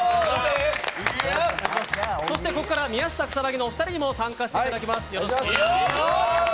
そしてここから宮下草薙のお二人にも参加していただきます。